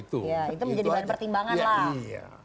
ya itu menjadi bahan pertimbangan lah